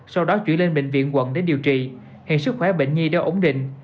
sau đó chuyển lên bệnh viện quận để điều trị hiện sức khỏe bệnh nhi đã ổn định